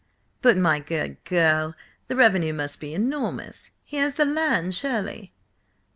"But, my good girl, the revenue must be enormous. He has the land, surely?"